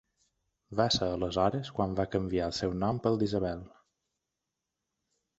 Va ser aleshores quan va canviar el seu nom pel d'Isabel.